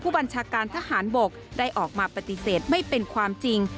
บัญชาการทหารบกได้ออกมาปฏิเสธไม่เป็นความจริง